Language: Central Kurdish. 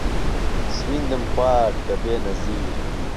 سویندم خوارد بە بێنەزیر